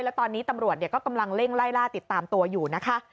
แล้วตอนนี้ตำรวจก็กำลังเร่งไล่ล่าติดตามตัวอยู่นะคะ